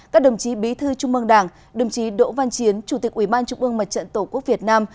các đồng chí bí thư trung mương đảng đồng chí đỗ văn chiến chủ tịch ủy ban trung ương mặt trận tổ quốc việt nam